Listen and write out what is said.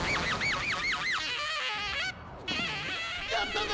やったぜ！